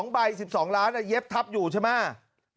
ใบ๑๒ล้านเย็บทับอยู่ใช่ไหม